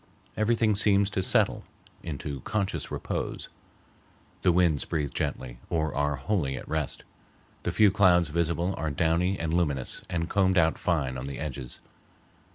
Everything seems to settle into conscious repose. The winds breathe gently or are wholly at rest. The few clouds visible are downy and luminous and combed out fine on the edges.